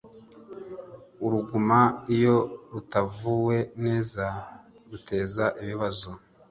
uruguma iyo rutavuwe neza ruteza ibibazo